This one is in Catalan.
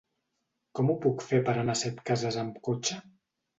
Com ho puc fer per anar a Setcases amb cotxe?